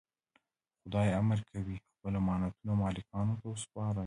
خدای امر کوي خپل امانتونه مالکانو ته وسپارئ.